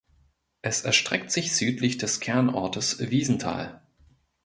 Es erstreckt sich südlich des Kernortes Wiesenthal.